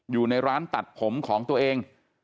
อยู่ในร้านตัดผมของตัวเอง